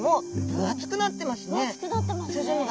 分厚くなってますね！